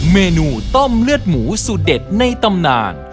เมนูต้มเลือดหมูสูตรเด็ดในตำนาน